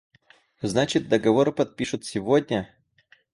Значит, договор подпишут сегодня?